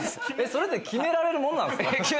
それって決められるもんなんですか？